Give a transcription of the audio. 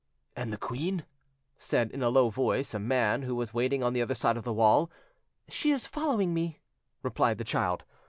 "And the queen?" said in a low voice a man who was waiting on the other side of the wall. "She is following me," replied the child.